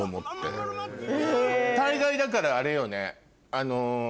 大概だからあれよね。